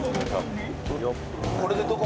これで。